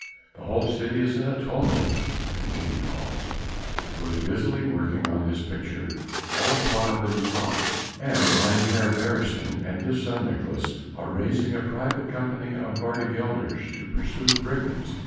"The whole city is in a tumult," continued Hals, who was busily working on his picture all the while that he talked, "and Mynheer Beresteyn and his son Nicolaes are raising a private company of Waardgelders to pursue the brigands.